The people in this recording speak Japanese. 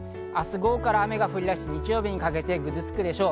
午後から雨が降り出し、日曜にかけてぐずつくでしょう。